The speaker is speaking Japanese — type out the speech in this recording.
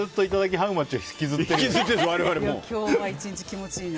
ハウマッチを今日は１日気持ちいいな。